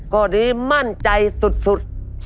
ก็ดีมั่นใจสุด